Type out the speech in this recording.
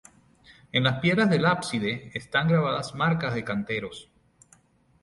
En las piedras del ábside están grabadas marcas de canteros.